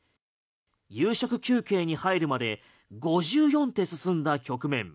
夕食休憩に入るまで５４手進んだ局面。